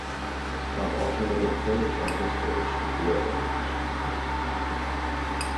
Trump alternately encouraged and discouraged the reopening actions.